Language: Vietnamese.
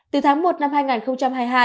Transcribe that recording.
từ tháng một năm hai nghìn hai mươi hai